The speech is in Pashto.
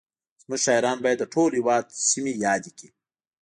زموږ شاعران باید د ټول هېواد سیمې یادې کړي